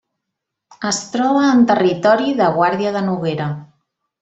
Es troba en territori de Guàrdia de Noguera.